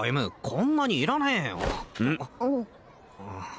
こんなにいらねえよん！